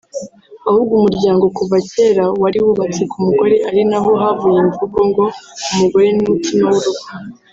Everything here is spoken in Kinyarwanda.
ahubwo umuryango kuva kera wari wubatse ku mugore ari naho havuye imvugo ngo umugore ni mutima w’urugo